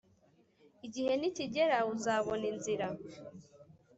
igihe nikigera uzabona inzira